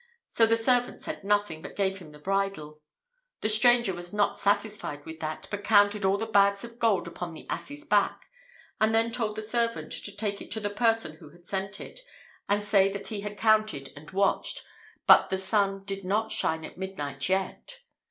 So the servant said nothing, but gave him the bridle. The stranger was not satisfied with that, but counted all the bags of gold upon the ass's back, and then told the servant to take it to the person who had sent it, and say that he had counted and watched, but the sun did not shine at midnight yet.